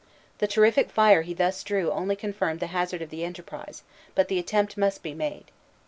The terrific fire he thus drew only confirmed the hazard of the enterprise, but the attempt must be made.